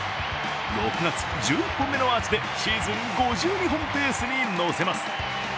６月、１１本目のアーチでシーズン５２本ペースにのせます。